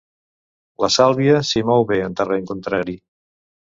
La Sàlvia s'hi mou bé, en terreny contrari.